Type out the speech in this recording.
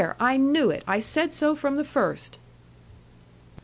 I knew it! I said so from the first!"